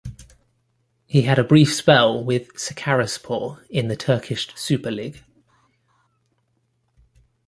He had a brief spell with Sakaryaspor in the Turkish Super Lig.